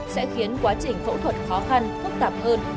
sẽ khiến quá trình phẫu thuật khó khăn phức tạp hơn